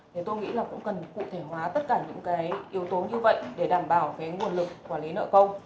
thì tôi nghĩ là cũng cần cụ thể hóa tất cả những cái yếu tố như vậy để đảm bảo cái nguồn lực quản lý nợ công